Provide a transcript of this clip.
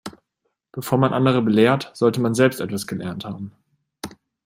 Bevor man andere belehrt, sollte man selbst etwas gelernt haben.